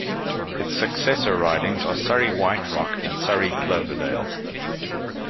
Its successor ridings are Surrey-White Rock and Surrey-Cloverdale.